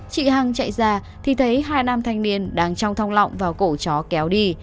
chị hằng chạy ra thì thấy hai nam thanh niên đang trong thông lọng vào cổ chó kéo đi